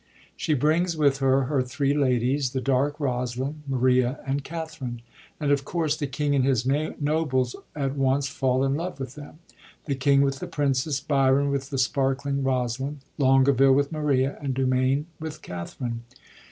She brings with her her three ladies, the dark Rosaline, Maria and Katharine; and, of course, the king and his nobles at once fall in love with them, the king with the princess, Biron with the sparkling Rosaline, Longaville with Maria, and Dumain with Katharine.